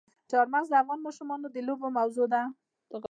چار مغز د افغان ماشومانو د لوبو موضوع ده.